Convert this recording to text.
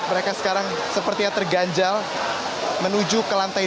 mereka sekarang sepertinya terganjal menuju ke lantai dua